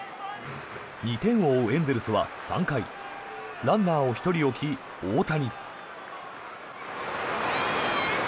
２点を追うエンゼルスは３回ランナーを１人置き、大谷。